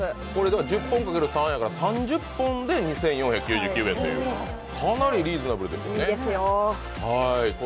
１０本×３やから３０本で２４９９円というかなりリーズナブルですね。